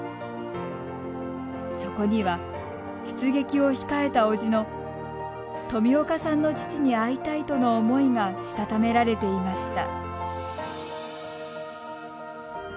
そこには、出撃を控えた伯父の冨岡さんの父に会いたいとの思いがしたためられていました。